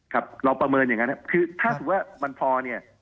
ครับเราประเมินอย่างนั้นครับคือถ้าสมมุติว่ามันพอเนี่ย